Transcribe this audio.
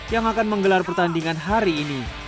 yang akan menggelar pertandingan hari ini